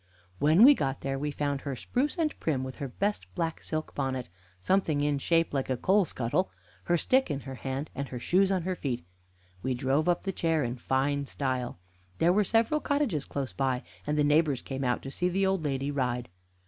When we got there we found her spruce and prim with her best black silk bonnet, something in shape like a coal scuttle, her stick in her hand, and her shoes on her feet. We drove up the chair in fine style. There were several cottages close by, and the neighbors came out to see the old lady ride.